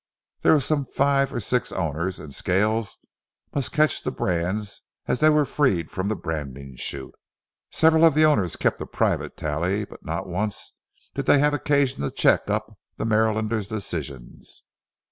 There were some five or six owners, and Scales must catch the brands as they were freed from the branding chute. Several of the owners kept a private tally, but not once did they have occasion to check up the Marylander's decisions.